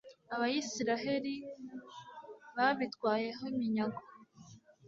abayisraheli babitwayeho iminyago